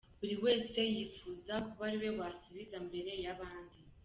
Buri wese yifuzaga kuba ari we wasubiza mbere y’abandi.